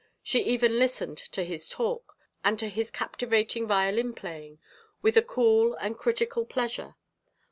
She even listened to his talk, and to his captivating violin playing, with a cool and critical pleasure.